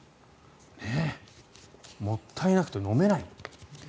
もったいなくて飲めない。